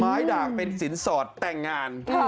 ด่างเป็นสินสอดแต่งงาน